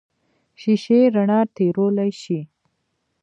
شیشې رڼا تېرولی شي.